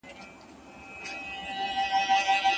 مور او پلار به د خپلو اولادونو يو ډول پالنه او روزنه کوي.